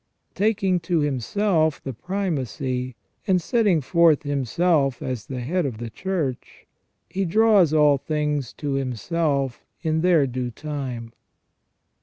Taking to Himself the primacy, and setting forth Himself as the Head of the Church, He draws all things to Himself in their due time."